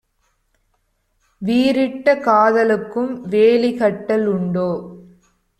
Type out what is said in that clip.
வீறிட்ட காதலுக்கும் வேலிகட்டல் உண்டோ?